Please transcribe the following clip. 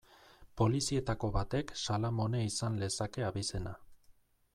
Polizietako batek Salamone izan lezake abizena.